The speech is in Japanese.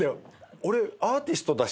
俺アーティストだし